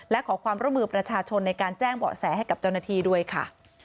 และขอความร่วมมือประชาชนในการแจ้งเบาะแสให้กับเจ้าหน้าที่ด้วยค่ะ